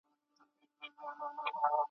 يو له بله يې وهلي وه جگړه وه ,